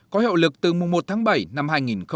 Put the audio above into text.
có hiệu lực từ mùng một tháng bảy năm hai nghìn hai mươi